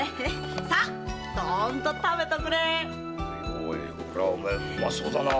おいこりゃうまそうだな。